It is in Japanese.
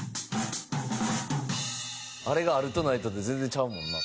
「あれがあるとないとで全然ちゃうもんな」